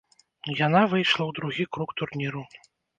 Яна выйшла ў другі круг турніру.